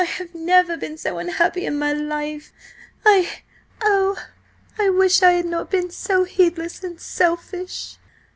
I have never been so unhappy in my life! I–oh, I wish I had not been so heedless and selfish!"